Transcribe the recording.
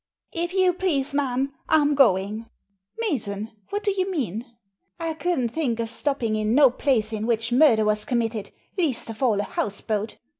" If you please, ma'am, I'm going." " Mason ! What do you mean ?"" I couldn't think of stopping in no place in which murder was committed, least of all a houseboat.